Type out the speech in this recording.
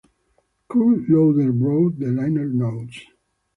Kurt Loder wrote the liner notes.